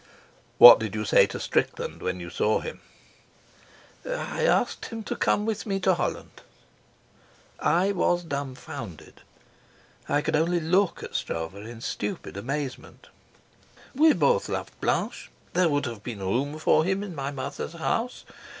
"What did you say to Strickland when you saw him?" "I asked him to come with me to Holland." I was dumbfounded. I could only look at Stroeve in stupid amazement. "We both loved Blanche. There would have been room for him in my mother's house.